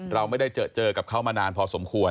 เราไม่ได้เจอกับเขามานานพอสมควร